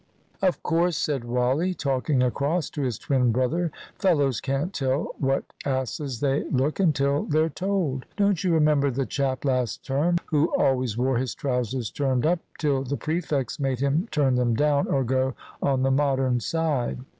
"Of course," said Wally, talking across to his twin brother, "fellows can't tell what asses they look until they're told. Don't you remember the chap last term who always wore his trousers turned up, till the prefects made him turn them down or go on the Modern side."